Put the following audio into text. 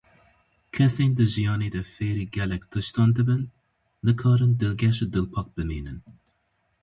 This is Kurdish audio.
Kesên di jiyanê de fêrî gelek tiştan dibin, nikarin dilgeş û dilpak bimînin.